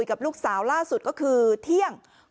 กลุ่มตัวเชียงใหม่